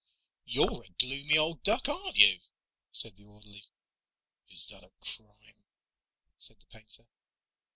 "You're a gloomy old duck, aren't you?" said the orderly. "Is that a crime?" said the painter.